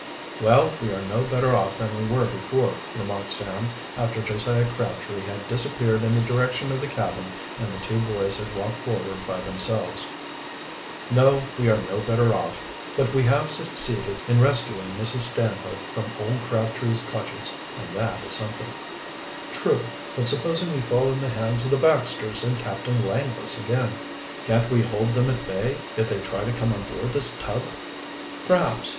"Well, we are no better off than we were before," remarked Sam, after Josiah Crabtree had disappeared in the direction of the cabin and the two boys had walked forward by themselves. "No, we are no better off, but we have succeeded in rescuing Mrs. Stanhope from old Crabtree's clutches, and that is something." "True, but supposing we fall in the hands of the Baxters and Captain Langless again?" "Can't we hold them at bay, if they try to come on board this tub?" "Perhaps.